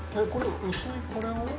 薄いこれは？